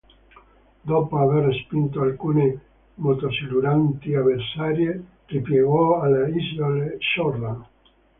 Dopo aver respinto alcune motosiluranti avversarie ripiegò alle isole Shortland.